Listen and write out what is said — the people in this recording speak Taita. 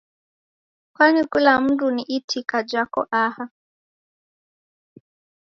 Kwani kula mundu ni itika jako aha?